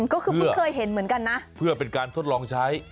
ก็คือเพื่อเป็นการทดลองใช้